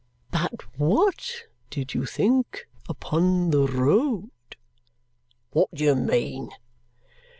"But what did you think upon the road?" "Wot do you mean?"